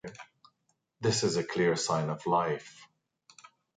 This is a clear sign of life.